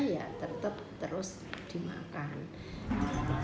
ya tetap terus dimakan